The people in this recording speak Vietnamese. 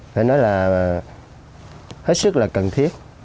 phải nói là hết sức là cần thiết